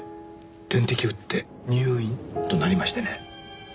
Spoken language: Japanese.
点滴打って入院となりましてね。